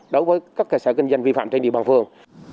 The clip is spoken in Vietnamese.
đối với các cơ sở kinh doanh vi phạm trên địa bàn phường